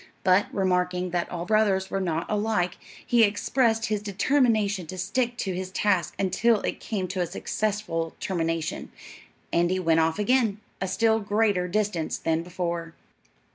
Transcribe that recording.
But, remarking that all brothers were not alike, he expressed his determination to stick to his task until it came to a successful termination, and went off again, a still greater distance than before.